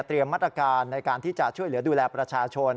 เตรียมทรัพย์การในการที่จะช่วยเหลือดูแลประชาชน